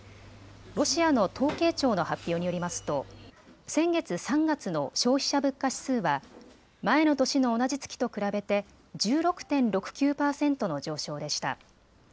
ロシアの統計庁の発表によりますと先月３月の消費者物価指数は前の年の同じ月と比べて１６．６９％の上昇でした。